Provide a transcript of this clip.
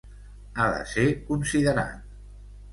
Ha de ser considerat.